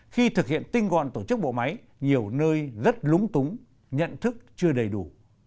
khi thực hiện tinh gọn tổ chức bộ máy nhiều nơi rất lúng túng nhận thức chưa đầy đủ